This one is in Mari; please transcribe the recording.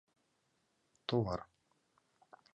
ТОВАР